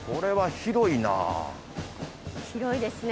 広いですね。